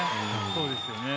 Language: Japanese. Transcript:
そうですよね。